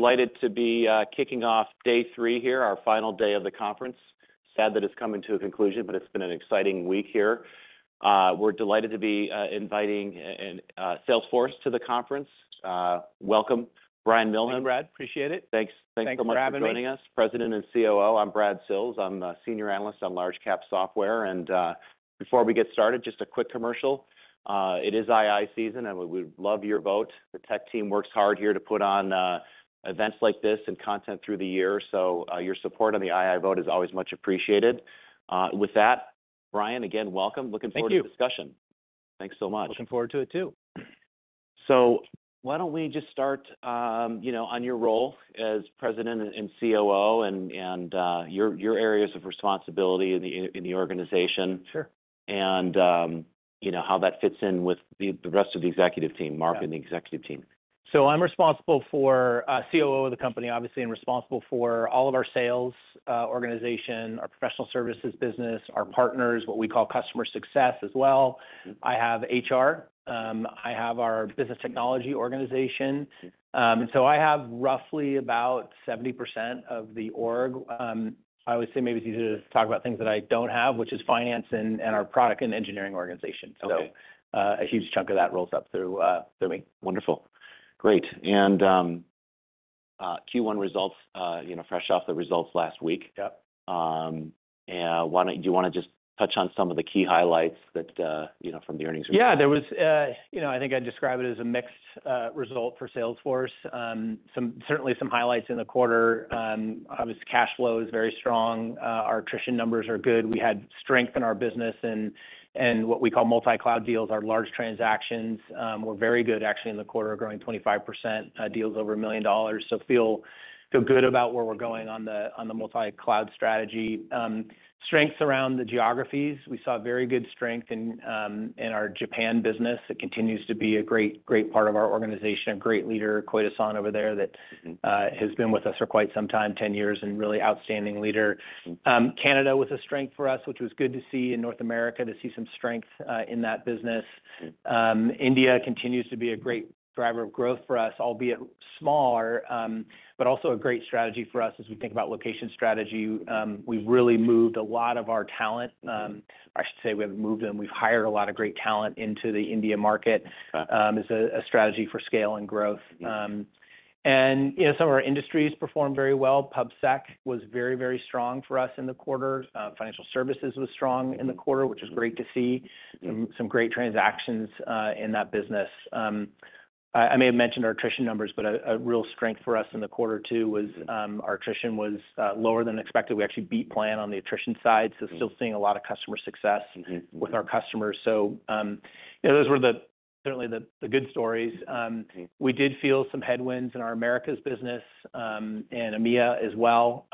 Delighted to be kicking off day three here, our final day of the conference. Sad that it's coming to a conclusion, but it's been an exciting week here. We're delighted to be inviting Salesforce to the conference. Welcome, Brian Millham. Thanks, Brad. Appreciate it. Thanks. Thanks so much for joining us. Thanks for having me. President and COO. I'm Brad Sills. I'm a senior analyst on large-cap software. And before we get started, just a quick commercial. It is II season, and we would love your vote. The tech team works hard here to put on events like this and content through the year. So, your support on the II vote is always much appreciated. With that, Brian, again, welcome. Looking forward to the discussion. Thank you. Thanks so much. Looking forward to it too. Why don't we just start, you know, on your role as President and COO and your areas of responsibility in the organization. Sure. You know, how that fits in with the rest of the executive team, Marc and the executive team. So I'm responsible for, COO of the company, obviously, and responsible for all of our sales organization, our professional services business, our partners, what we call customer success as well. I have HR. I have our business technology organization. And so I have roughly about 70% of the org. I always say maybe it's easier to talk about things that I don't have, which is finance and, and our product and engineering organization. Okay. A huge chunk of that rolls up through me. Wonderful. Great. Q1 results, you know, fresh off the results last week. Yep. Why don't you do you wanna just touch on some of the key highlights that, you know, from the earnings report? Yeah. There was, you know, I think I'd describe it as a mixed result for Salesforce. Some certainly some highlights in the quarter. Obviously, cash flow is very strong. Our attrition numbers are good. We had strength in our business and, and what we call multi-cloud deals, our large transactions. We're very good, actually, in the quarter, growing 25%, deals over $1 million. So feel, feel good about where we're going on the, on the multi-cloud strategy. Strengths around the geographies. We saw very good strength in, in our Japan business. It continues to be a great, great part of our organization. A great leader, Koide-san, over there that, has been with us for quite some time, 10 years, and really outstanding leader. Canada was a strength for us, which was good to see, and North America to see some strength, in that business. India continues to be a great driver of growth for us, albeit smaller, but also a great strategy for us as we think about location strategy. We've really moved a lot of our talent. I should say we haven't moved them. We've hired a lot of great talent into the India market. Okay. As a strategy for scale and growth. And, you know, some of our industries performed very well. PubSec was very, very strong for us in the quarter. Financial services was strong in the quarter, which is great to see. Mm-hmm. Some great transactions in that business. I may have mentioned our attrition numbers, but a real strength for us in the quarter too was our attrition was lower than expected. We actually beat plan on the attrition side. Mm-hmm. Still seeing a lot of customer success. Mm-hmm. With our customers. So, you know, those were certainly the good stories. Mm-hmm. We did feel some headwinds in our Americas business, and EMEA as well.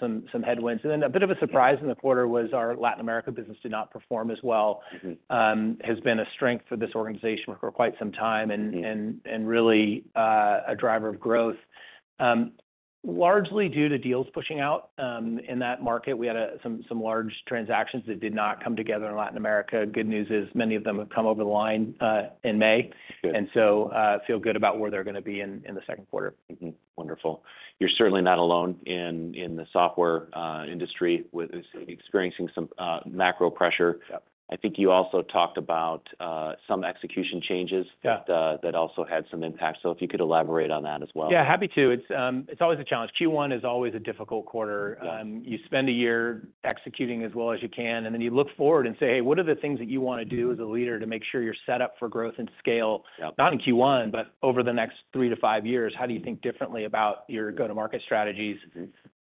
And then, a bit of a surprise in the quarter was our Latin America business did not perform as well. Mm-hmm. has been a strength for this organization for quite some time and really, a driver of growth. Largely due to deals pushing out in that market. We had some large transactions that did not come together in Latin America. Good news is many of them have come over the line in May. Good. And so, feel good about where they're gonna be in the second quarter. Mm-hmm. Wonderful. You're certainly not alone in the software industry with experiencing some macro pressure. Yep. I think you also talked about some execution changes. Yeah. That also had some impact. So if you could elaborate on that as well. Yeah. Happy to. It's always a challenge. Q1 is always a difficult quarter. Yeah. You spend a year executing as well as you can, and then you look forward and say, "Hey, what are the things that you wanna do as a leader to make sure you're set up for growth and scale? Yep. Not in Q1, but over the next 3 to 5 years, how do you think differently about your go-to-market strategies?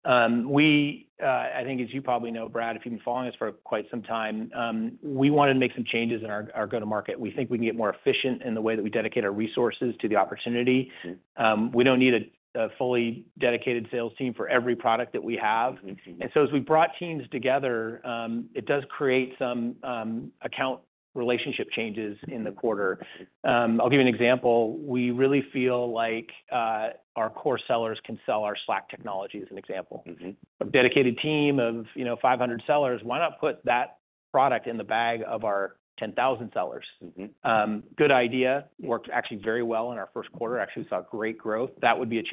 Mm-hmm. We, I think, as you probably know, Brad, if you've been following us for quite some time, we wanted to make some changes in our go-to-market. We think we can get more efficient in the way that we dedicate our resources to the opportunity. Mm-hmm. We don't need a fully dedicated sales team for every product that we have. Mm-hmm. And so as we brought teams together, it does create some account relationship changes in the quarter. Mm-hmm. I'll give you an example. We really feel like, our core sellers can sell our Slack technology as an example. Mm-hmm. A dedicated team of, you know, 500 sellers. Why not put that product in the bag of our 10,000 sellers? Mm-hmm. Good idea. Worked actually very well in our first quarter. Actually saw great growth. That would be a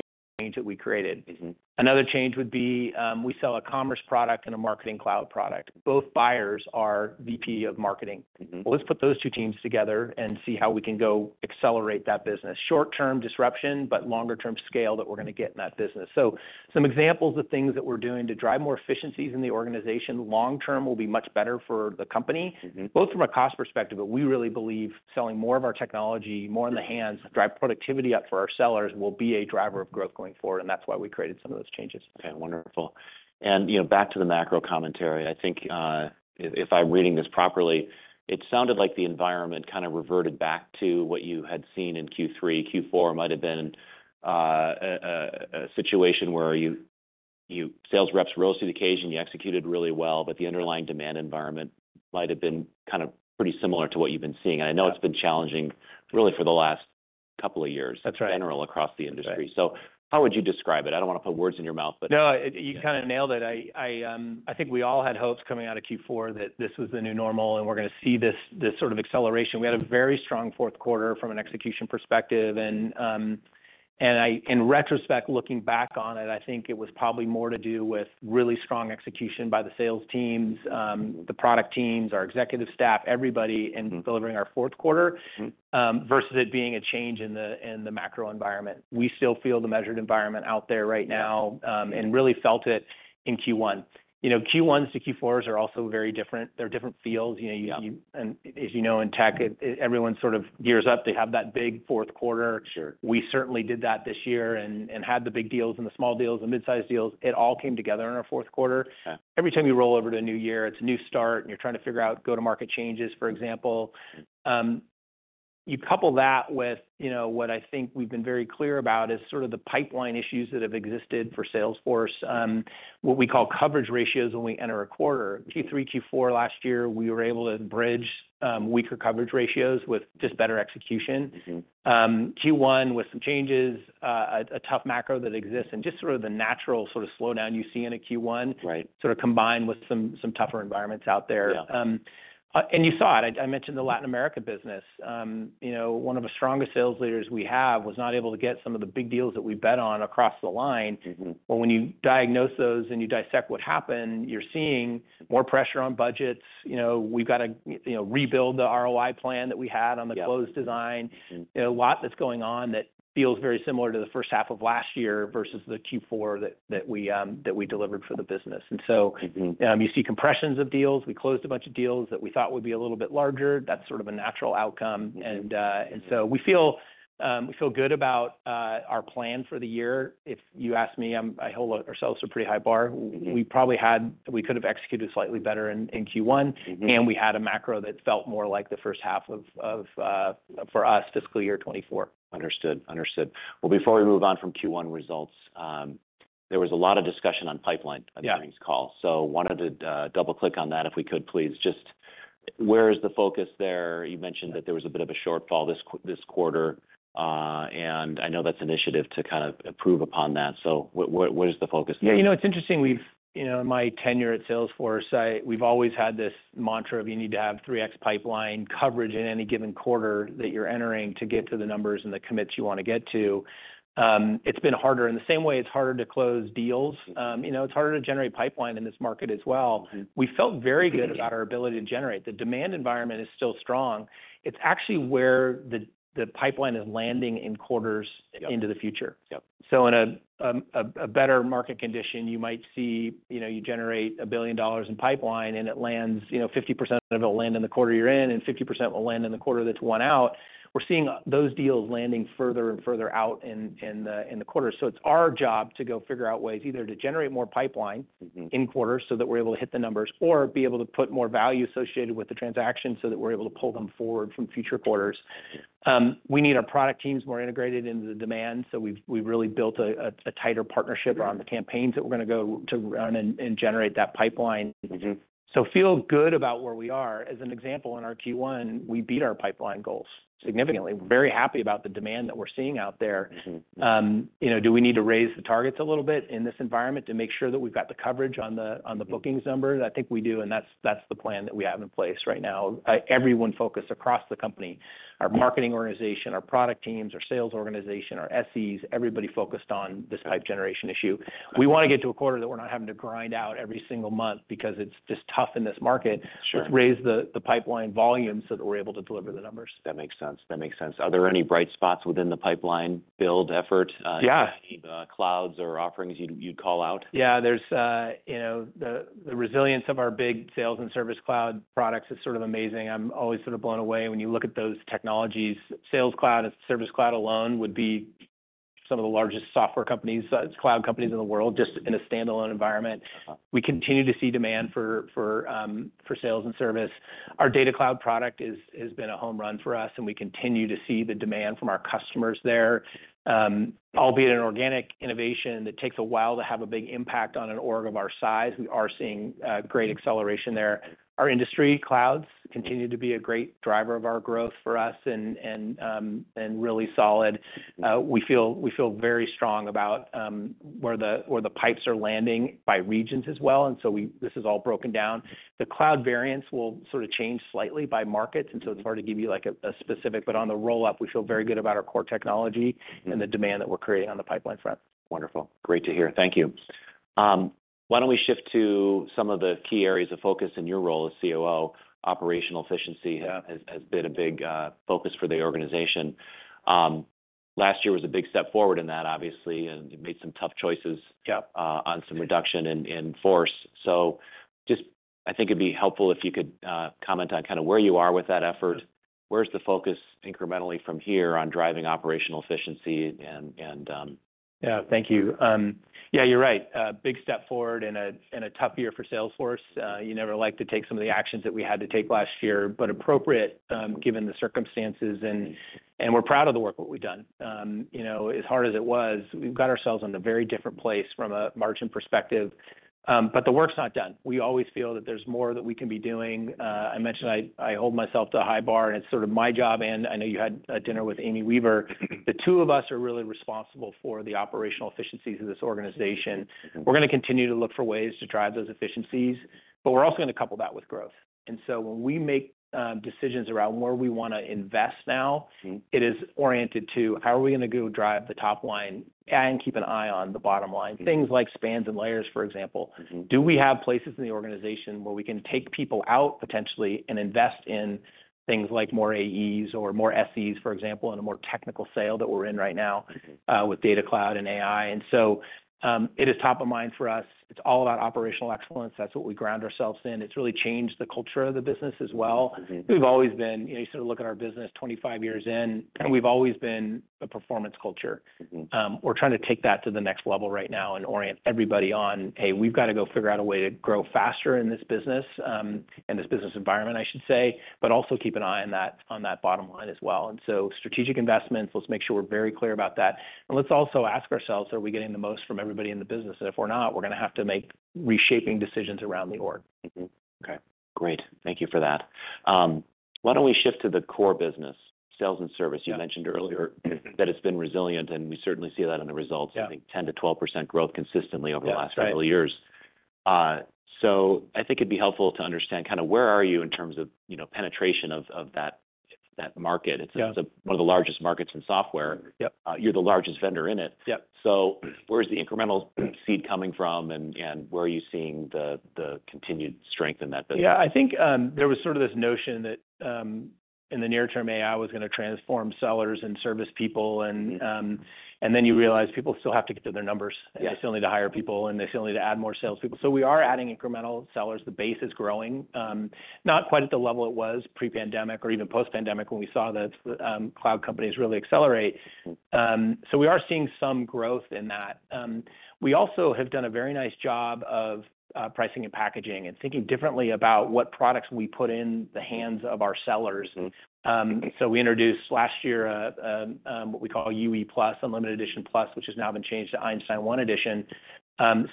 change that we created. Mm-hmm. Another change would be, we sell a commerce product and a marketing cloud product. Both buyers are VP of marketing. Mm-hmm. Well, let's put those two teams together and see how we can go accelerate that business. Short-term disruption, but longer-term scale that we're gonna get in that business. So some examples of things that we're doing to drive more efficiencies in the organization long-term will be much better for the company. Mm-hmm. Both from a cost perspective, but we really believe selling more of our technology, more in the hands, drive productivity up for our sellers will be a driver of growth going forward. And that's why we created some of those changes. Okay. Wonderful. And, you know, back to the macro commentary. I think, if I'm reading this properly, it sounded like the environment kinda reverted back to what you had seen in Q3. Q4 might have been a situation where you sales reps rose to the occasion. You executed really well, but the underlying demand environment might have been kinda pretty similar to what you've been seeing. And I know it's been challenging really for the last couple of years. That's right. In general across the industry. Yeah. So how would you describe it? I don't wanna put words in your mouth, but. No, you kinda nailed it. I think we all had hopes coming out of Q4 that this was the new normal and we're gonna see this sort of acceleration. We had a very strong fourth quarter from an execution perspective. In retrospect, looking back on it, I think it was probably more to do with really strong execution by the sales teams, the product teams, our executive staff, everybody in delivering our fourth quarter. Mm-hmm. versus it being a change in the macro environment. We still feel the measured environment out there right now. Mm-hmm. and really felt it in Q1. You know, Q1s to Q4s are also very different. They're different fields. You know, you. Yeah. As you know, in tech, everyone sort of gears up. They have that big fourth quarter. Sure. We certainly did that this year and had the big deals and the small deals and mid-sized deals. It all came together in our fourth quarter. Okay. Every time you roll over to a new year, it's a new start and you're trying to figure out go-to-market changes, for example. Mm-hmm. You couple that with, you know, what I think we've been very clear about is sort of the pipeline issues that have existed for Salesforce. What we call coverage ratios when we enter a quarter. Q3, Q4 last year, we were able to bridge weaker coverage ratios with just better execution. Mm-hmm. Q1 with some changes, a tough macro that exists and just sort of the natural sort of slowdown you see in a Q1. Right. Sort of combined with some tougher environments out there. Yeah. You saw it. I mentioned the Latin America business. You know, one of the strongest sales leaders we have was not able to get some of the big deals that we bet on across the line. Mm-hmm. Well, when you diagnose those and you dissect what happened, you're seeing more pressure on budgets. You know, we've gotta, you know, rebuild the ROI plan that we had on the closed design. Yep. You know, a lot that's going on that feels very similar to the first half of last year versus the Q4 that we delivered for the business. And so. Mm-hmm. You see compressions of deals. We closed a bunch of deals that we thought would be a little bit larger. That's sort of a natural outcome. Mm-hmm. So we feel good about our plan for the year. If you ask me, I hold ourselves to a pretty high bar. Mm-hmm. We probably had, we could have executed slightly better in Q1. Mm-hmm. We had a macro that felt more like the first half of, for us, fiscal year 2024. Understood. Understood. Well, before we move on from Q1 results, there was a lot of discussion on pipeline at. Yep. Earnings call. Wanted to double-click on that if we could, please. Just where is the focus there? You mentioned that there was a bit of a shortfall this, this quarter. I know that's an initiative to kind of improve upon that. What, what, what is the focus there? Yeah. You know, it's interesting. We've, you know, in my tenure at Salesforce, I, we've always had this mantra of you need to have 3x pipeline coverage in any given quarter that you're entering to get to the numbers and the commits you wanna get to. It's been harder. In the same way, it's harder to close deals. Mm-hmm. You know, it's harder to generate pipeline in this market as well. Mm-hmm. We felt very good about our ability to generate. The demand environment is still strong. It's actually where the pipeline is landing in quarters. Yep. Into the future. Yep. So in a better market condition, you might see, you know, you generate $1 billion in pipeline and it lands, you know, 50% of it will land in the quarter you're in and 50% will land in the quarter that's one out. We're seeing those deals landing further and further out in the quarter. So it's our job to go figure out ways either to generate more pipeline. Mm-hmm. In quarter so that we're able to hit the numbers or be able to put more value associated with the transaction so that we're able to pull them forward from future quarters. Mm-hmm. We need our product teams more integrated into the demand. So we've really built a tighter partnership around the campaigns that we're gonna go to run and generate that pipeline. Mm-hmm. So feel good about where we are. As an example, in our Q1, we beat our pipeline goals significantly. We're very happy about the demand that we're seeing out there. Mm-hmm. You know, do we need to raise the targets a little bit in this environment to make sure that we've got the coverage on the, on the bookings number? I think we do. And that's, that's the plan that we have in place right now. Everyone focused across the company, our marketing organization, our product teams, our sales organization, our SEs, everybody focused on this pipeline generation issue. We wanna get to a quarter that we're not having to grind out every single month because it's just tough in this market. Sure. Let's raise the pipeline volume so that we're able to deliver the numbers. That makes sense. That makes sense. Are there any bright spots within the pipeline build effort? Yeah. Any clouds or offerings you'd call out? Yeah. There's, you know, the resilience of our big Sales Cloud and Service Cloud products is sort of amazing. I'm always sort of blown away when you look at those technologies. Sales Cloud and Service Cloud alone would be some of the largest software companies, cloud companies in the world just in a standalone environment. Uh-huh. We continue to see demand for sales and service. Our Data Cloud product has been a home run for us and we continue to see the demand from our customers there, albeit an organic innovation that takes a while to have a big impact on an org of our size. We are seeing great acceleration there. Our Industry Clouds continue to be a great driver of our growth for us and really solid. We feel very strong about where the pipes are landing by regions as well. And so, this is all broken down. The cloud variance will sort of change slightly by markets. And so it's hard to give you like a specific, but on the roll-up, we feel very good about our core technology. Mm-hmm. And the demand that we're creating on the pipeline front. Wonderful. Great to hear. Thank you. Why don't we shift to some of the key areas of focus in your role as COO? Operational efficiency. Yeah. Has been a big focus for the organization. Last year was a big step forward in that, obviously, and you made some tough choices. Yep. on some reduction in force. So just, I think it'd be helpful if you could comment on kinda where you are with that effort. Where's the focus incrementally from here on driving operational efficiency and, Yeah. Thank you. Yeah, you're right. Big step forward in a tough year for Salesforce. You never like to take some of the actions that we had to take last year, but appropriate, given the circumstances. And we're proud of the work that we've done. You know, as hard as it was, we've got ourselves in a very different place from a margin perspective. But the work's not done. We always feel that there's more that we can be doing. I mentioned I hold myself to a high bar and it's sort of my job. And I know you had a dinner with Amy Weaver. The two of us are really responsible for the operational efficiencies of this organization. Mm-hmm. We're gonna continue to look for ways to drive those efficiencies, but we're also gonna couple that with growth. And so when we make decisions around where we wanna invest now. Mm-hmm. It is oriented to how are we gonna go drive the top line and keep an eye on the bottom line? Things like spans and layers, for example. Mm-hmm. Do we have places in the organization where we can take people out potentially and invest in things like more AEs or more SEs, for example, in a more technical sale that we're in right now? Mm-hmm. with Data Cloud and AI. And so, it is top of mind for us. It's all about operational excellence. That's what we ground ourselves in. It's really changed the culture of the business as well. Mm-hmm. We've always been, you know, you sort of look at our business 25 years in and we've always been a performance culture. Mm-hmm. We're trying to take that to the next level right now and orient everybody on, hey, we've gotta go figure out a way to grow faster in this business, and this business environment, I should say, but also keep an eye on that, on that bottom line as well. And so strategic investments, let's make sure we're very clear about that. And let's also ask ourselves, are we getting the most from everybody in the business? And if we're not, we're gonna have to make reshaping decisions around the org. Mm-hmm. Okay. Great. Thank you for that. Why don't we shift to the core business, sales and service? Yeah. You mentioned earlier that it's been resilient and we certainly see that in the results. Yeah. I think 10%-12% growth consistently over the last several years. That's right. I think it'd be helpful to understand kinda where are you in terms of, you know, penetration of that market? Yeah. It's one of the largest markets in software. Yep. You're the largest vendor in it. Yep. So where's the incremental seed coming from and where are you seeing the continued strength in that business? Yeah. I think, there was sort of this notion that, in the near term, AI was gonna transform sellers and service people. And, and then you realize people still have to get to their numbers. Yeah. They still need to hire people and they still need to add more salespeople. We are adding incremental sellers. The base is growing, not quite at the level it was pre-pandemic or even post-pandemic when we saw the cloud companies really accelerate. Mm-hmm. We are seeing some growth in that. We also have done a very nice job of pricing and packaging and thinking differently about what products we put in the hands of our sellers. Mm-hmm. So we introduced last year what we call UE Plus, Unlimited Edition Plus, which has now been changed to Einstein 1 Edition.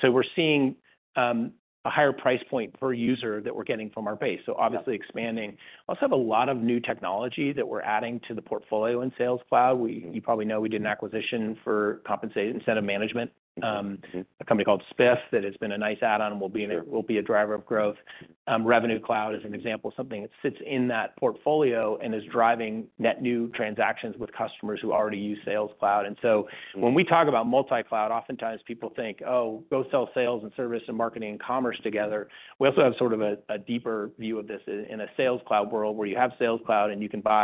So we're seeing a higher price point per user that we're getting from our base. So obviously expanding. Mm-hmm. We also have a lot of new technology that we're adding to the portfolio in Sales Cloud. We, you probably know, we did an acquisition for compensation incentive management. Mm-hmm. A company called Spiff that has been a nice add-on and will be a driver of growth. Revenue Cloud is an example, something that sits in that portfolio and is driving net new transactions with customers who already use Sales Cloud. And so when we talk about multi-cloud, oftentimes people think, oh, go sell Sales and Service and Marketing and Commerce together. We also have sort of a deeper view of this in a Sales Cloud world where you have Sales Cloud and you can buy.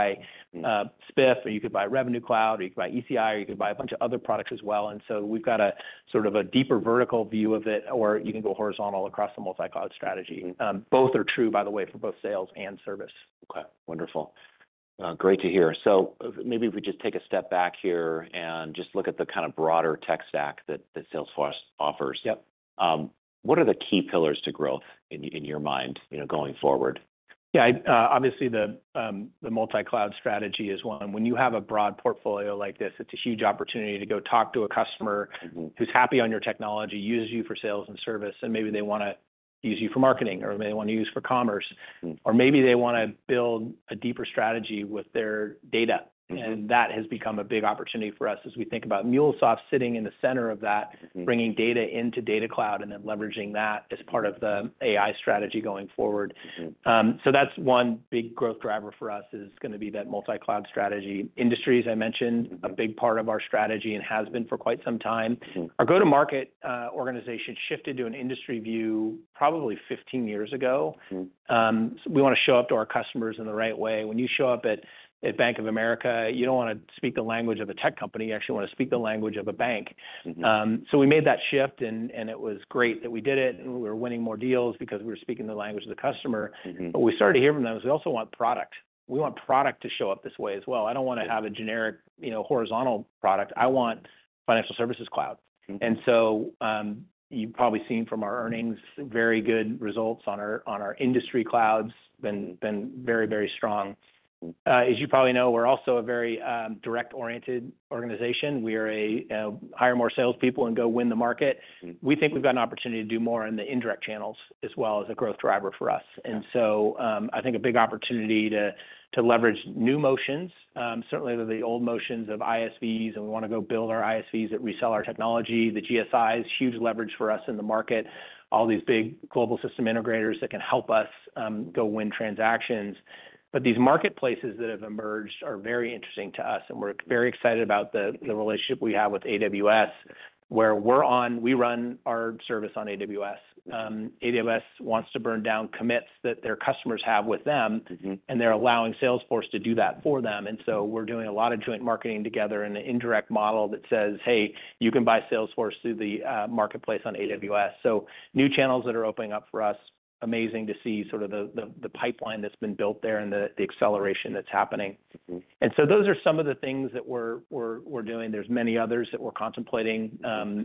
Mm-hmm. Spiff or you could buy Revenue Cloud or you could buy ECI or you could buy a bunch of other products as well. And so we've got a sort of a deeper vertical view of it or you can go horizontal across the multi-cloud strategy. Mm-hmm. Both are true, by the way, for both sales and service. Okay. Wonderful. Great to hear. So maybe if we just take a step back here and just look at the kinda broader tech stack that Salesforce offers. Yep. What are the key pillars to growth in your mind, you know, going forward? Yeah. Obviously, the multi-cloud strategy is one. When you have a broad portfolio like this, it's a huge opportunity to go talk to a customer. Mm-hmm. Who's happy on your technology, uses you for sales and service, and maybe they wanna use you for marketing or maybe they wanna use for commerce. Mm-hmm. Or maybe they wanna build a deeper strategy with their data. Mm-hmm. That has become a big opportunity for us as we think about MuleSoft sitting in the center of that. Mm-hmm. Bringing data into Data Cloud and then leveraging that as part of the AI strategy going forward. Mm-hmm. That's one big growth driver for us is gonna be that multi-cloud strategy. Industries, I mentioned. Mm-hmm. A big part of our strategy and has been for quite some time. Mm-hmm. Our go-to-market organization shifted to an industry view probably 15 years ago. Mm-hmm. We wanna show up to our customers in the right way. When you show up at Bank of America, you don't wanna speak the language of a tech company. You actually wanna speak the language of a bank. Mm-hmm. We made that shift, and it was great that we did it and we were winning more deals because we were speaking the language of the customer. Mm-hmm. But what we started hearing from them is we also want product. We want product to show up this way as well. I don't wanna have a generic, you know, horizontal product. I want Financial Services Cloud. Mm-hmm. So, you've probably seen from our earnings very good results on our Industry Clouds. Been very, very strong. Mm-hmm. As you probably know, we're also a very direct-oriented organization. We are a, you know, hire more salespeople and go win the market. Mm-hmm. We think we've got an opportunity to do more in the indirect channels as well as a growth driver for us. Mm-hmm. I think a big opportunity to leverage new motions. Certainly the old motions of ISVs and we wanna go build our ISVs that resell our technology. The GSI is huge leverage for us in the market. All these big global system integrators that can help us go win transactions. But these marketplaces that have emerged are very interesting to us and we're very excited about the relationship we have with AWS where we run our service on AWS. Mm-hmm. AWS wants to burn down commitments that their customers have with them. Mm-hmm. And they're allowing Salesforce to do that for them. And so we're doing a lot of joint marketing together in an indirect model that says, hey, you can buy Salesforce through the marketplace on AWS. So new channels that are opening up for us, amazing to see sort of the pipeline that's been built there and the acceleration that's happening. Mm-hmm. And so those are some of the things that we're doing. There's many others that we're contemplating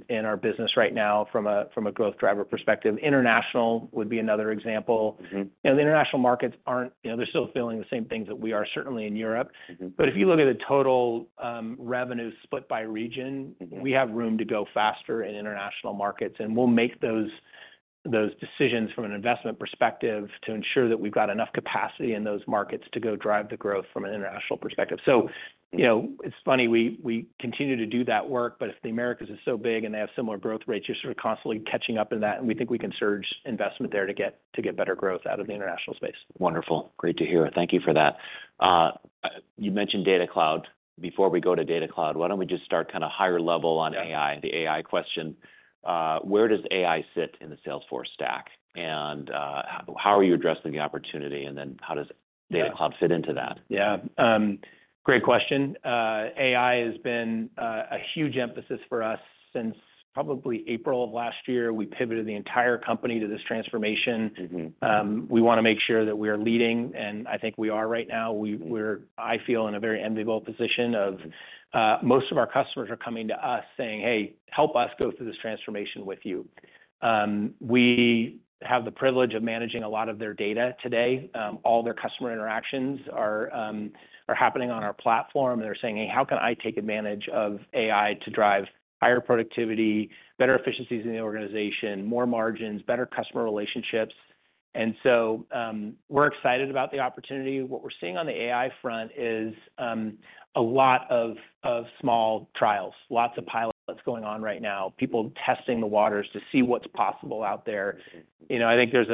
in our business right now from a growth driver perspective. International would be another example. Mm-hmm. You know, the international markets aren't, you know, they're still feeling the same things that we are certainly in Europe. Mm-hmm. But if you look at the total, revenue split by region. Mm-hmm. We have room to go faster in international markets and we'll make those decisions from an investment perspective to ensure that we've got enough capacity in those markets to go drive the growth from an international perspective. So, you know, it's funny, we continue to do that work, but if the Americas is so big and they have similar growth rates, you're sort of constantly catching up in that and we think we can surge investment there to get better growth out of the international space. Wonderful. Great to hear. Thank you for that. You mentioned Data Cloud. Before we go to Data Cloud, why don't we just start kinda higher level on AI, the AI question? Where does AI sit in the Salesforce stack? And, how, how are you addressing the opportunity? And then how does Data Cloud fit into that? Yeah. Great question. AI has been a huge emphasis for us since probably April of last year. We pivoted the entire company to this transformation. Mm-hmm. We wanna make sure that we are leading and I think we are right now. We're, I feel in a very enviable position of, most of our customers are coming to us saying, hey, help us go through this transformation with you. We have the privilege of managing a lot of their data today. All their customer interactions are happening on our platform and they're saying, hey, how can I take advantage of AI to drive higher productivity, better efficiencies in the organization, more margins, better customer relationships? And so, we're excited about the opportunity. What we're seeing on the AI front is a lot of small trials, lots of pilots going on right now, people testing the waters to see what's possible out there. Mm-hmm. You know, I think there's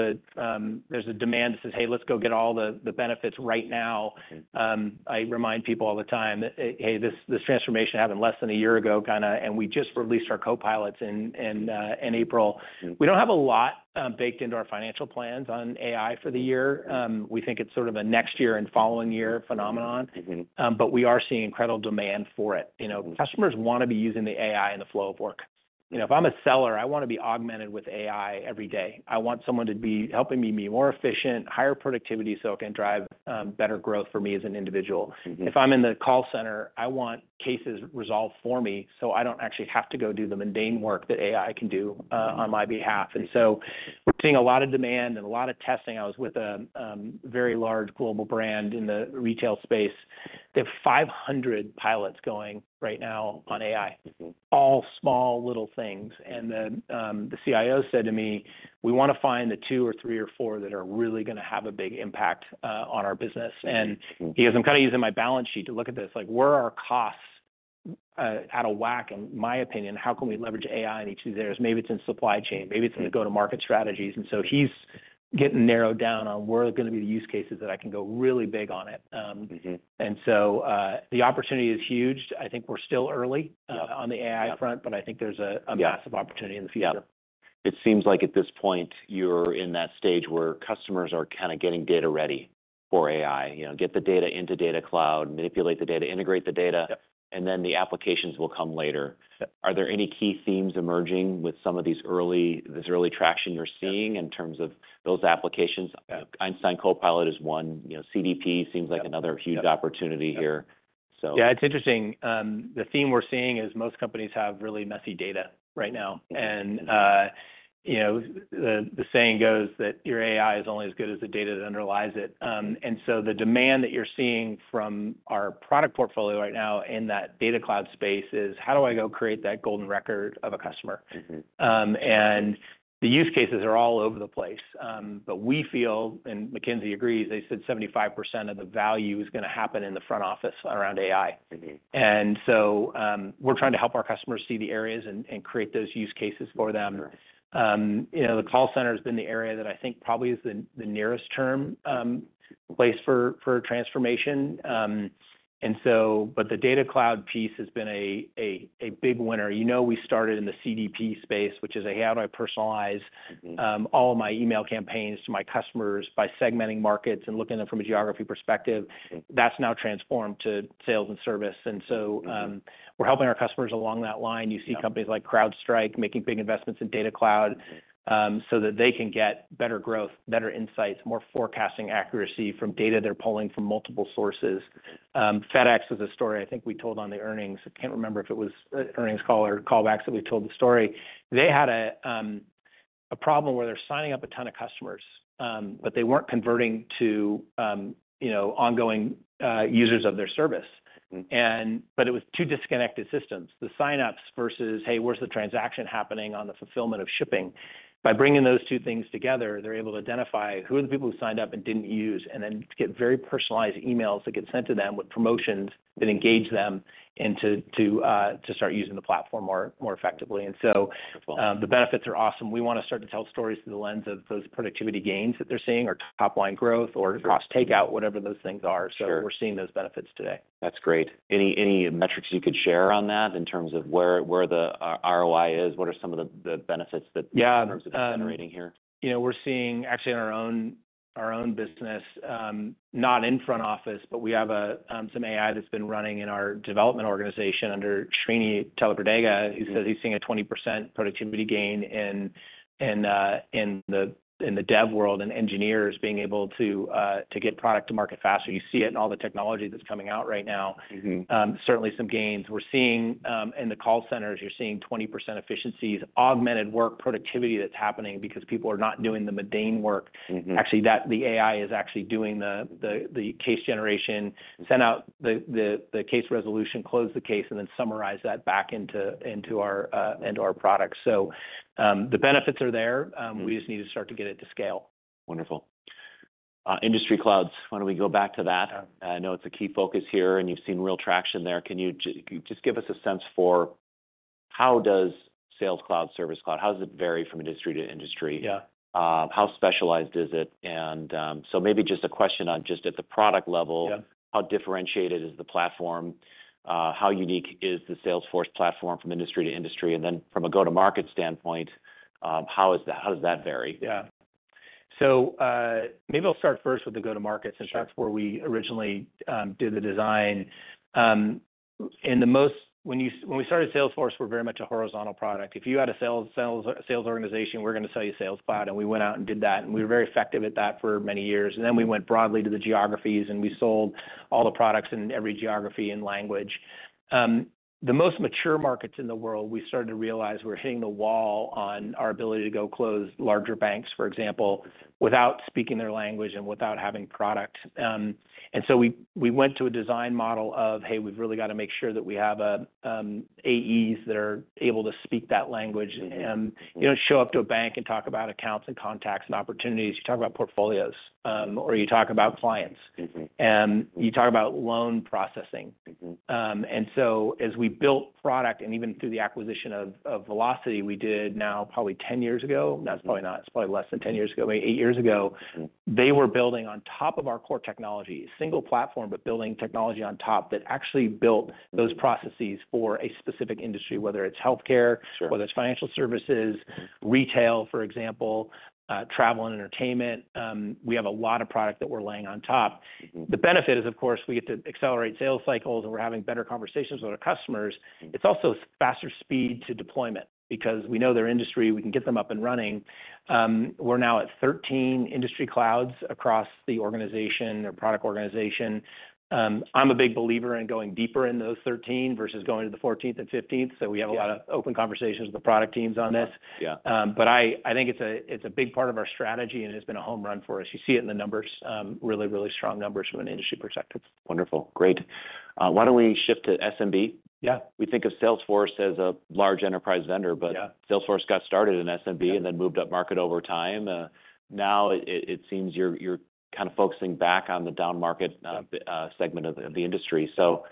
a demand that says, hey, let's go get all the benefits right now. Mm-hmm. I remind people all the time that, hey, this transformation happened less than a year ago, kinda, and we just released our co-pilots in April. Mm-hmm. We don't have a lot baked into our financial plans on AI for the year. We think it's sort of a next year and following year phenomenon. Mm-hmm. But we are seeing incredible demand for it. You know, customers wanna be using the AI in the flow of work. You know, if I'm a seller, I wanna be augmented with AI every day. I want someone to be helping me be more efficient, higher productivity so it can drive better growth for me as an individual. Mm-hmm. If I'm in the call center, I want cases resolved for me so I don't actually have to go do the mundane work that AI can do, on my behalf. Mm-hmm. And so we're seeing a lot of demand and a lot of testing. I was with a very large global brand in the retail space. They have 500 pilots going right now on AI. Mm-hmm. All small little things. And the CIO said to me, we wanna find the two or three or four that are really gonna have a big impact on our business. And he goes, I'm kinda using my balance sheet to look at this. Like, where are our costs out of whack? And my opinion, how can we leverage AI in each of these areas? Maybe it's in supply chain. Maybe it's in the go-to-market strategies. And so he's getting narrowed down on where are gonna be the use cases that I can go really big on it. Mm-hmm. And so, the opportunity is huge. I think we're still early. Yeah. On the AI front, but I think there's a massive opportunity in the future. Yeah. It seems like at this point you're in that stage where customers are kinda getting data ready for AI, you know, get the data into Data Cloud, manipulate the data, integrate the data. Yep. And then the applications will come later. Yep. Are there any key themes emerging with some of these early, this early traction you're seeing in terms of those applications? Yeah. Einstein Copilot is one. You know, CDP seems like another huge opportunity here. So. Yeah. It's interesting. The theme we're seeing is most companies have really messy data right now. Mm-hmm. You know, the saying goes that your AI is only as good as the data that underlies it. And so the demand that you're seeing from our product portfolio right now in that Data Cloud space is how do I go create that golden record of a customer? Mm-hmm. The use cases are all over the place. We feel, and McKinsey agrees, they said 75% of the value is gonna happen in the front office around AI. Mm-hmm. So, we're trying to help our customers see the areas and create those use cases for them. Right. You know, the call center has been the area that I think probably is the nearest term place for transformation. And so, but the Data Cloud piece has been a big winner. You know, we started in the CDP space, which is, hey, how do I personalize. Mm-hmm. All of my email campaigns to my customers by segmenting markets and looking at them from a geography perspective. Mm-hmm. That's now transformed to sales and service. And so, Mm-hmm. We're helping our customers along that line. Mm-hmm. You see companies like CrowdStrike making big investments in Data Cloud. Mm-hmm. so that they can get better growth, better insights, more forecasting accuracy from data they're pulling from multiple sources. FedEx was a story I think we told on the earnings. I can't remember if it was an earnings call or callbacks that we told the story. They had a problem where they're signing up a ton of customers, but they weren't converting to, you know, ongoing users of their service. Mm-hmm. But it was two disconnected systems. The signups versus, hey, where's the transaction happening on the fulfillment of shipping? By bringing those two things together, they're able to identify who are the people who signed up and didn't use and then get very personalized emails that get sent to them with promotions that engage them into to start using the platform more effectively. And so. Wonderful. The benefits are awesome. We wanna start to tell stories through the lens of those productivity gains that they're seeing or top line growth or. Mm-hmm. Cross takeout, whatever those things are. Sure. So we're seeing those benefits today. That's great. Any metrics you could share on that in terms of where the ROI is? What are some of the benefits that. Yeah. In terms of generating here? You know, we're seeing actually in our own, our own business, not in front office, but we have some AI that's been running in our development organization under Srini Tallapragada. Mm-hmm. Who says he's seeing a 20% productivity gain in the dev world and engineers being able to get product to market faster. You see it in all the technology that's coming out right now. Mm-hmm. Certainly some gains. We're seeing, in the call centers, you're seeing 20% efficiencies, augmented work productivity that's happening because people are not doing the mundane work. Mm-hmm. Actually, that the AI is actually doing the case generation, send out the case resolution, close the case, and then summarize that back into our product. So, the benefits are there. We just need to start to get it to scale. Wonderful. Industry Clouds. Why don't we go back to that? Yeah. I know it's a key focus here and you've seen real traction there. Can you just give us a sense for how does Sales Cloud, Service Cloud? How does it vary from industry to industry? Yeah. How specialized is it? So, maybe just a question on just at the product level. Yeah. How differentiated is the Platform? How unique is the Salesforce Platform from industry to industry? And then from a go-to-market standpoint, how is that? How does that vary? Yeah. So, maybe I'll start first with the go-to-market. Sure. Since that's where we originally did the design. When we started Salesforce, we're very much a horizontal product. If you had a sales organization, we're gonna sell you Sales Cloud. And we went out and did that. And we were very effective at that for many years. And then we went broadly to the geographies and we sold all the products in every geography and language. In the most mature markets in the world, we started to realize we're hitting the wall on our ability to go close larger banks, for example, without speaking their language and without having product. And so we went to a design model of, hey, we've really gotta make sure that we have AEs that are able to speak that language. Mm-hmm. You don't show up to a bank and talk about accounts and contacts and opportunities. You talk about portfolios, or you talk about clients. Mm-hmm. You talk about loan processing. Mm-hmm. and so as we built product and even through the acquisition of, of Vlocity, we did now probably 10 years ago. That's probably not, it's probably less than 10 years ago, maybe eight years ago. Mm-hmm. They were building on top of our core technology, single platform, but building technology on top that actually built those processes for a specific industry, whether it's healthcare. Sure. Whether it's financial services, retail, for example, travel and entertainment. We have a lot of product that we're laying on top. Mm-hmm. The benefit is, of course, we get to accelerate sales cycles and we're having better conversations with our customers. Mm-hmm. It's also faster speed to deployment because we know their industry. We can get them up and running. We're now at 13 Industry Clouds across the organization or product organization. I'm a big believer in going deeper in those 13 versus going to the 14th and 15th. We have a lot of open conversations with the product teams on this. Okay. Yeah. but I think it's a big part of our strategy and it's been a home run for us. You see it in the numbers, really, really strong numbers from an industry perspective. Wonderful. Great. Why don't we shift to SMB? Yeah. We think of Salesforce as a large enterprise vendor, but. Yeah. Salesforce got started in SMB and then moved up market over time. Now it seems you're kinda focusing back on the down market segment of the industry. So,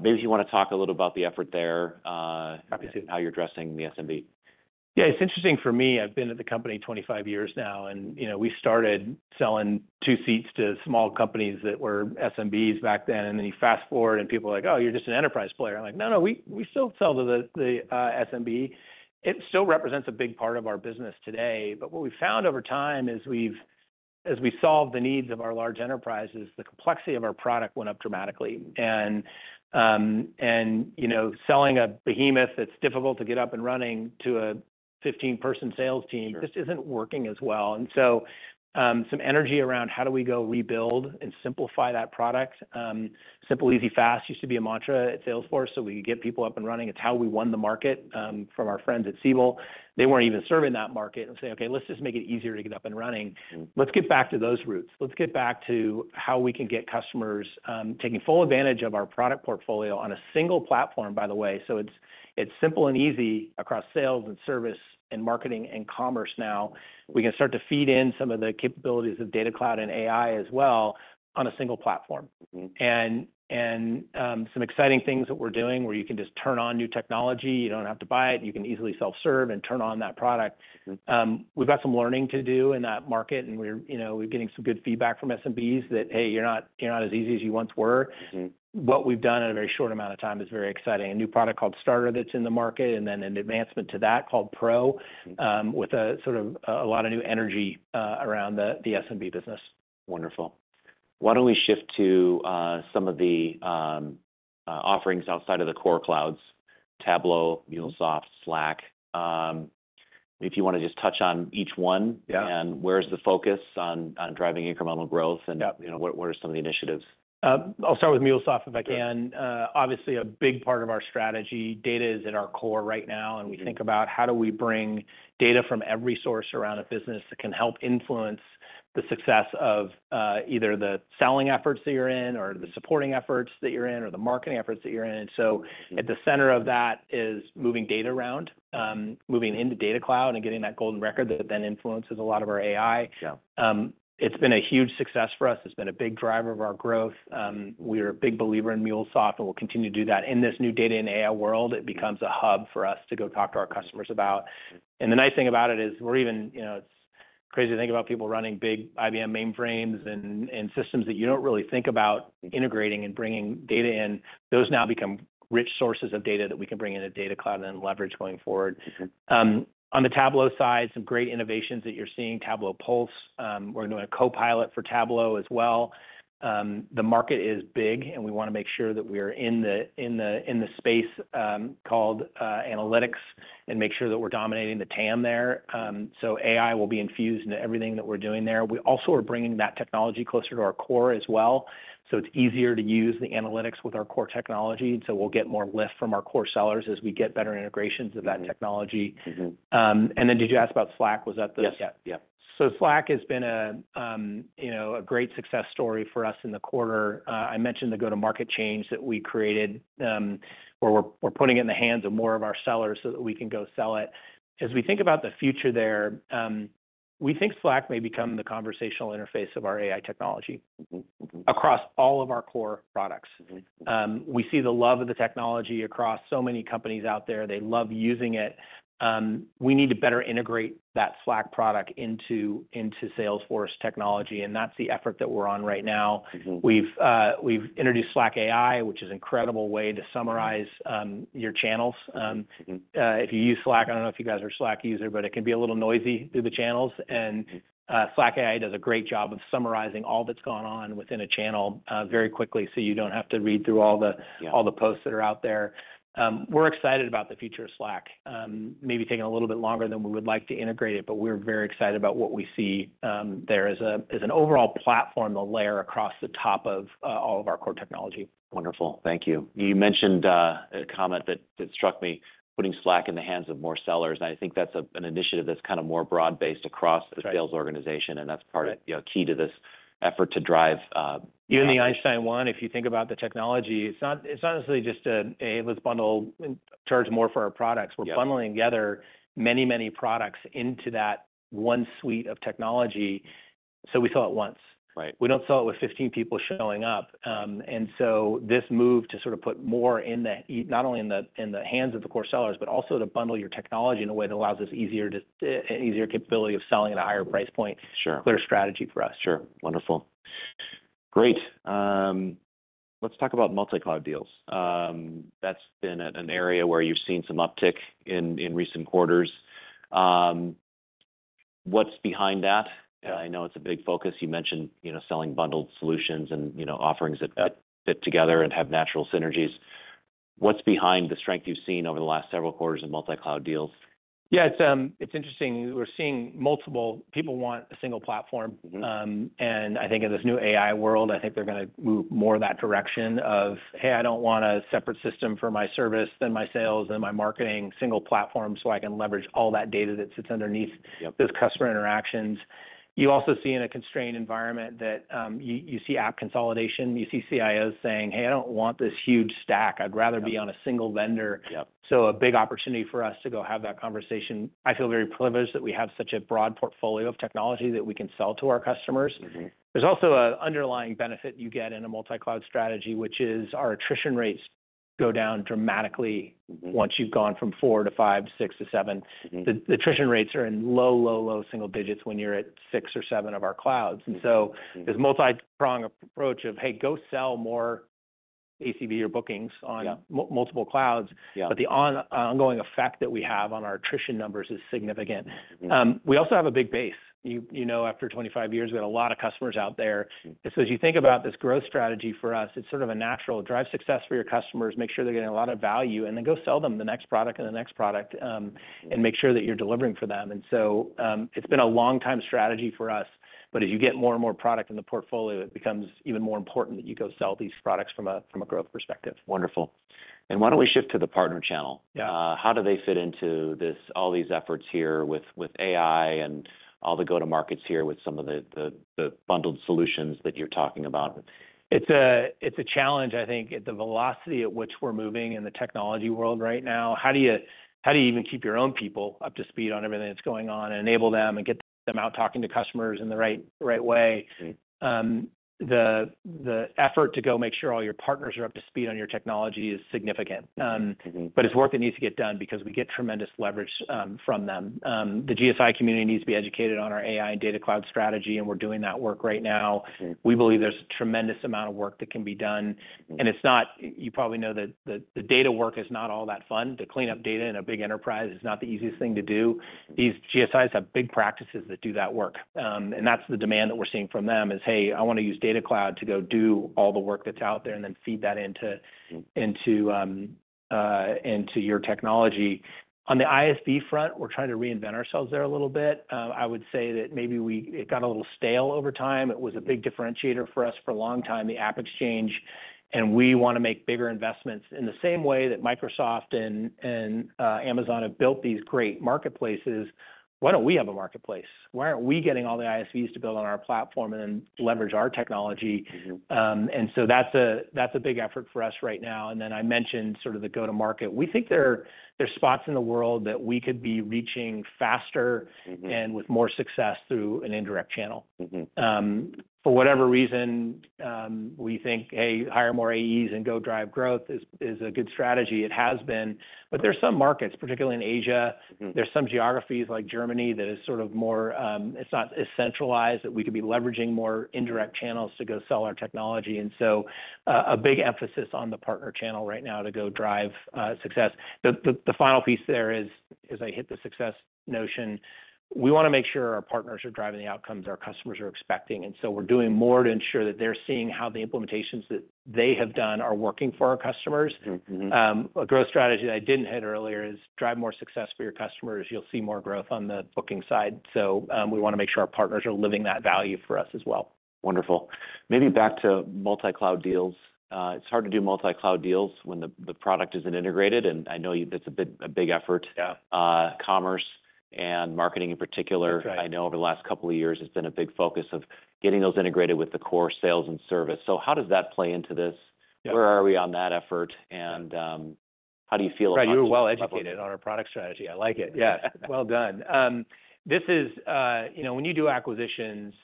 maybe if you wanna talk a little about the effort there, Happy to. How you're addressing the SMB? Yeah. It's interesting for me. I've been at the company 25 years now. And, you know, we started selling two seats to small companies that were SMBs back then. And then you fast forward and people are like, oh, you're just an enterprise player. I'm like, no, no, we, we still sell to the, the, SMB. It still represents a big part of our business today. But what we found over time is we've, as we solve the needs of our large enterprises, the complexity of our product went up dramatically. And, and, you know, selling a behemoth that's difficult to get up and running to a 15-person sales team. Sure. Just isn't working as well. And so, some energy around how do we go rebuild and simplify that product. Simple, easy, fast used to be a mantra at Salesforce so we could get people up and running. It's how we won the market, from our friends at Siebel. They weren't even serving that market and say, okay, let's just make it easier to get up and running. Mm-hmm. Let's get back to those roots. Let's get back to how we can get customers, taking full advantage of our product portfolio on a single platform, by the way. It's simple and easy across sales and service and marketing and commerce. Now we can start to feed in some of the capabilities of Data Cloud and AI as well on a single platform. Mm-hmm. Some exciting things that we're doing where you can just turn on new technology. You don't have to buy it. You can easily self-serve and turn on that product. Mm-hmm. We've got some learning to do in that market. We're, you know, we're getting some good feedback from SMBs that, hey, you're not, you're not as easy as you once were. Mm-hmm. What we've done in a very short amount of time is very exciting. A new product called Starter that's in the market and then an advancement to that called Pro. Mm-hmm. with a sort of a lot of new energy around the SMB business. Wonderful. Why don't we shift to some of the offerings outside of the core clouds: Tableau, MuleSoft, Slack? If you wanna just touch on each one. Yeah. Where's the focus on driving incremental growth and. Yep. You know, what, what are some of the initiatives? I'll start with MuleSoft if I can. Mm-hmm. Obviously a big part of our strategy. Data is at our core right now. Mm-hmm. We think about how do we bring data from every source around a business that can help influence the success of, either the selling efforts that you're in or the supporting efforts that you're in or the marketing efforts that you're in. And so. Mm-hmm. At the center of that is moving data around, moving into Data Cloud and getting that golden record that then influences a lot of our AI. Yeah. It's been a huge success for us. It's been a big driver of our growth. We're a big believer in MuleSoft and we'll continue to do that. In this new data and AI world, it becomes a hub for us to go talk to our customers about. And the nice thing about it is we're even, you know, it's crazy to think about people running big IBM mainframes and, and systems that you don't really think about integrating and bringing data in. Those now become rich sources of data that we can bring into Data Cloud and then leverage going forward. Mm-hmm. On the Tableau side, some great innovations that you're seeing: Tableau Pulse. We're doing a copilot for Tableau as well. The market is big and we wanna make sure that we're in the space called analytics and make sure that we're dominating the TAM there. So AI will be infused into everything that we're doing there. We also are bringing that technology closer to our core as well. So it's easier to use the analytics with our core technology. And so we'll get more lift from our core sellers as we get better integrations of that technology. Mm-hmm. And then, did you ask about Slack? Was that the. Yes. Yeah. So Slack has been a, you know, a great success story for us in the quarter. I mentioned the go-to-market change that we created, where we're, we're putting it in the hands of more of our sellers so that we can go sell it. As we think about the future there, we think Slack may become the conversational interface of our AI technology. Mm-hmm. Mm-hmm. Across all of our core products. Mm-hmm. We see the love of the technology across so many companies out there. They love using it. We need to better integrate that Slack product into Salesforce technology. And that's the effort that we're on right now. Mm-hmm. We've introduced Slack AI, which is an incredible way to summarize your channels. Mm-hmm. If you use Slack, I don't know if you guys are Slack users, but it can be a little noisy through the channels. And. Mm-hmm. Slack AI does a great job of summarizing all that's gone on within a channel, very quickly so you don't have to read through all the. Yeah. All the posts that are out there. We're excited about the future of Slack. Maybe taking a little bit longer than we would like to integrate it, but we're very excited about what we see there as an overall platform, the layer across the top of all of our core technology. Wonderful. Thank you. You mentioned a comment that struck me: putting Slack in the hands of more sellers. And I think that's an initiative that's kinda more broad-based across the. Correct. Sales organization. That's part of, you know, key to this effort to drive, Even the Einstein 1, if you think about the technology, it's not necessarily just let's bundle and charge more for our products. Yeah. We're bundling together many, many products into that one suite of technology. So we sell it once. Right. We don't sell it with 15 people showing up. So this move to sort of put more not only in the hands of the core sellers, but also to bundle your technology in a way that allows us easier capability of selling at a higher price point. Sure. Clear strategy for us. Sure. Wonderful. Great. Let's talk about multi-cloud deals. That's been an area where you've seen some uptick in recent quarters. What's behind that? Yeah. I know it's a big focus. You mentioned, you know, selling bundled solutions and, you know, offerings that. Yeah. Fit together and have natural synergies. What's behind the strength you've seen over the last several quarters in multi-cloud deals? Yeah. It's interesting. We're seeing multiple people want a single platform. Mm-hmm. I think in this new AI world, I think they're gonna move more that direction of, "Hey, I don't want a separate system for my service, then my sales, then my marketing, single platform so I can leverage all that data that sits underneath. Yep. Those customer interactions. You also see in a constrained environment that you see app consolidation. You see CIOs saying, hey, I don't want this huge stack. I'd rather be on a single vendor. Yep. A big opportunity for us to go have that conversation. I feel very privileged that we have such a broad portfolio of technology that we can sell to our customers. Mm-hmm. There's also an underlying benefit you get in a multi-cloud strategy, which is our attrition rates go down dramatically. Mm-hmm. Once you've gone from four to five, six to seven. Mm-hmm. The attrition rates are in low, low, low single digits when you're at six or seven of our clouds. Mm-hmm. And so this multi-pronged approach of, hey, go sell more ACV or bookings on. Yeah. Multiple clouds. Yeah. The ongoing effect that we have on our attrition numbers is significant. Mm-hmm. We also have a big base. You, you know, after 25 years, we had a lot of customers out there. Mm-hmm. And so as you think about this growth strategy for us, it's sort of a natural drive success for your customers, make sure they're getting a lot of value, and then go sell them the next product and the next product, and make sure that you're delivering for them. And so, it's been a long-time strategy for us. But as you get more and more product in the portfolio, it becomes even more important that you go sell these products from a growth perspective. Wonderful. Why don't we shift to the partner channel? Yeah. How do they fit into this, all these efforts here with AI and all the go-to-markets here with some of the bundled solutions that you're talking about? It's a challenge, I think, at the velocity at which we're moving in the technology world right now. How do you even keep your own people up to speed on everything that's going on and enable them and get them out talking to customers in the right, right way? Mm-hmm. The effort to go make sure all your partners are up to speed on your technology is significant. Mm-hmm. But it's work that needs to get done because we get tremendous leverage from them. The GSI community needs to be educated on our AI and Data Cloud strategy, and we're doing that work right now. Mm-hmm. We believe there's a tremendous amount of work that can be done. Mm-hmm. It's not, you probably know that the data work is not all that fun. To clean up data in a big enterprise is not the easiest thing to do. These GSIs have big practices that do that work. And that's the demand that we're seeing from them is, hey, I wanna use Data Cloud to go do all the work that's out there and then feed that into. Mm-hmm. Into your technology. On the ISV front, we're trying to reinvent ourselves there a little bit. I would say that maybe it got a little stale over time. It was a big differentiator for us for a long time, the AppExchange. And we wanna make bigger investments in the same way that Microsoft and Amazon have built these great marketplaces. Why don't we have a marketplace? Why aren't we getting all the ISVs to build on our platform and then leverage our technology? Mm-hmm. and so that's a, that's a big effort for us right now. And then I mentioned sort of the go-to-market. We think there are, there's spots in the world that we could be reaching faster. Mm-hmm. With more success through an indirect channel. Mm-hmm. For whatever reason, we think, hey, hire more AEs and go drive growth is a good strategy. It has been. But there's some markets, particularly in Asia. Mm-hmm. There's some geographies like Germany that is sort of more, it's not as centralized that we could be leveraging more indirect channels to go sell our technology. And so, a big emphasis on the partner channel right now to go drive success. The final piece there is, as I hit the success notion, we wanna make sure our partners are driving the outcomes our customers are expecting. And so we're doing more to ensure that they're seeing how the implementations that they have done are working for our customers. Mm-hmm. A growth strategy that I didn't hit earlier is drive more success for your customers. You'll see more growth on the booking side. So, we wanna make sure our partners are living that value for us as well. Wonderful. Maybe back to multi-cloud deals. It's hard to do multi-cloud deals when the product isn't integrated. And I know you that's a bit, a big effort. Yeah. commerce and marketing in particular. That's right. I know over the last couple of years it's been a big focus of getting those integrated with the core sales and service. So how does that play into this? Yeah. Where are we on that effort? And, how do you feel about this? Yeah. You're well educated on our product strategy. I like it. Yes. Well done. This is, you know, when you do acquisitions,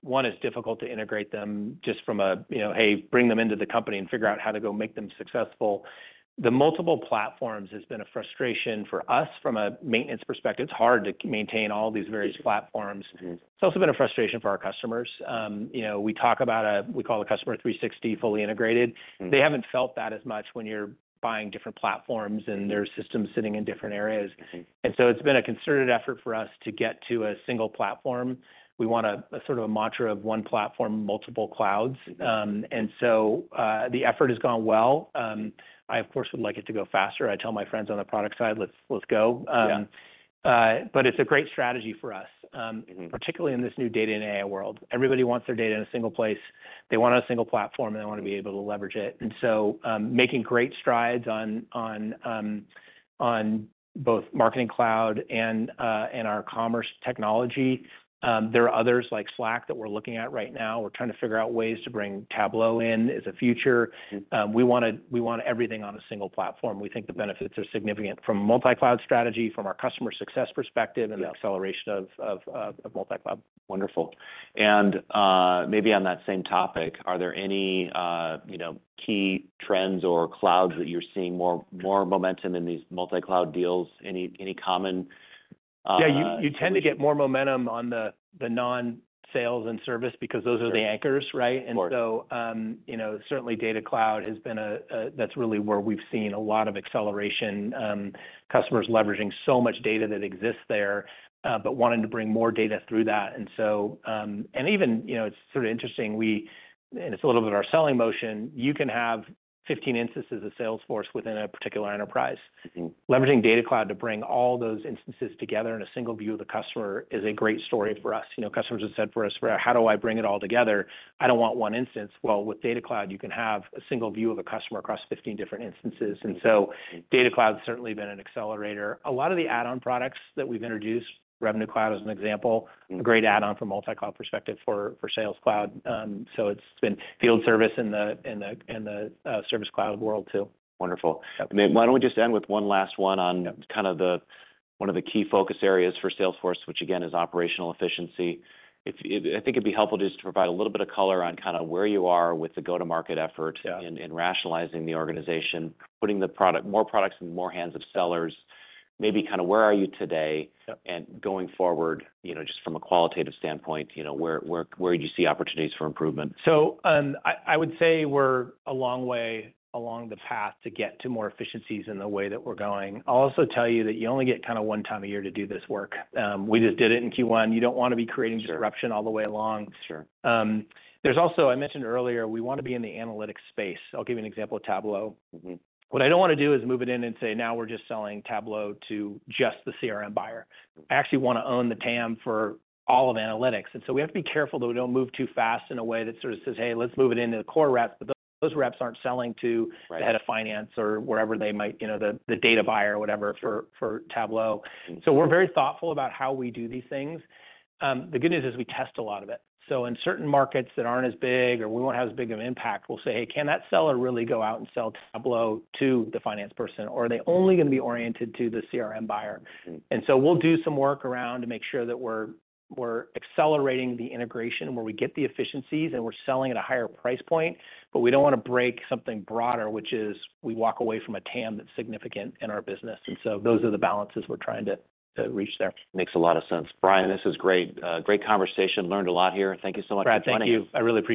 one is difficult to integrate them just from a, you know, hey, bring them into the company and figure out how to go make them successful. The multiple platforms has been a frustration for us from a maintenance perspective. It's hard to maintain all these various platforms. Mm-hmm. It's also been a frustration for our customers. You know, we talk about a, we call a Customer 360 fully integrated. Mm-hmm. They haven't felt that as much when you're buying different platforms and there's systems sitting in different areas. Mm-hmm. And so it's been a concerted effort for us to get to a single platform. We want a sort of a mantra of one platform, multiple clouds. Mm-hmm. The effort has gone well. I, of course, would like it to go faster. I tell my friends on the product side, let's go. Yeah. but it's a great strategy for us. Mm-hmm. Particularly in this new data and AI world. Everybody wants their data in a single place. They want a single platform and they wanna be able to leverage it. And so, making great strides on both Marketing Cloud and our commerce technology. There are others like Slack that we're looking at right now. We're trying to figure out ways to bring Tableau in as a future. Mm-hmm. We wanna everything on a single platform. We think the benefits are significant from a multi-cloud strategy, from our customer success perspective. Yeah. And the acceleration of Multi-cloud. Wonderful. And, maybe on that same topic, are there any, you know, key trends or clouds that you're seeing more, more momentum in these multi-cloud deals? Any, any common, Yeah. You tend to get more momentum on the non-sales and service because those are the anchors, right? Of course. And so, you know, certainly Data Cloud has been a—that's really where we've seen a lot of acceleration. Customers leveraging so much data that exists there, but wanting to bring more data through that. And so, and even, you know, it's sort of interesting. We, and it's a little bit of our selling motion, you can have 15 instances of Salesforce within a particular enterprise. Mm-hmm. Leveraging Data Cloud to bring all those instances together in a single view of the customer is a great story for us. You know, customers have said for us, well, how do I bring it all together? I don't want one instance. Well, with Data Cloud, you can have a single view of a customer across 15 different instances. Mm-hmm. And so Data Cloud's certainly been an accelerator. A lot of the add-on products that we've introduced, Revenue Cloud as an example. Mm-hmm. A great add-on from a multi-cloud perspective for Sales Cloud. So it's been Field Service in the Service Cloud world too. Wonderful. Yep. I mean, why don't we just end with one last one on. Yep. of the one of the key focus areas for Salesforce, which again is operational efficiency. If I think it'd be helpful just to provide a little bit of color on kind of where you are with the go-to-market effort. Yeah. In rationalizing the organization, putting the product, more products in more hands of sellers, maybe kinda where are you today? Yep. Going forward, you know, just from a qualitative standpoint, you know, where do you see opportunities for improvement? So, I would say we're a long way along the path to get to more efficiencies in the way that we're going. I'll also tell you that you only get kinda one time a year to do this work. We just did it in Q1. You don't wanna be creating disruption all the way along. Sure. There's also, I mentioned earlier, we wanna be in the analytics space. I'll give you an example of Tableau. Mm-hmm. What I don't wanna do is move it in and say, now we're just selling Tableau to just the CRM buyer. Mm-hmm. I actually wanna own the TAM for all of analytics. So we have to be careful that we don't move too fast in a way that sort of says, hey, let's move it into the core reps, but those, those reps aren't selling to. Right. The head of finance or wherever they might, you know, the data buyer or whatever for Tableau. Mm-hmm. So we're very thoughtful about how we do these things. The good news is we test a lot of it. So in certain markets that aren't as big or we won't have as big of an impact, we'll say, hey, can that seller really go out and sell Tableau to the finance person? Or are they only gonna be oriented to the CRM buyer? Mm-hmm. And so we'll do some work around to make sure that we're accelerating the integration where we get the efficiencies and we're selling at a higher price point, but we don't wanna break something broader, which is we walk away from a TAM that's significant in our business. And so those are the balances we're trying to reach there. Makes a lot of sense. Brian, this is great, great conversation. Learned a lot here. Thank you so much for joining. Brad, thank you. I really hope.